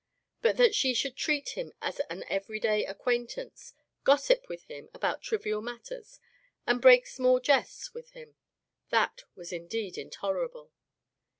But that she should treat him as an everyday acquaintance, gossip with him about trivial matters, and break small jests with him, that was indeed intolerable.